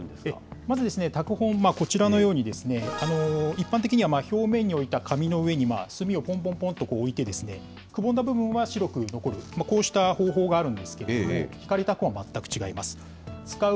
これ、どうやって文字を読み取るまずですね、拓本、こちらのようにですね、一般的には表面に置いた紙の上に墨をぽんぽんぽんと置いてですね、くぼんだ部分は白く残る、こうした方法があるんですけれども、ひかり拓本は全く違います。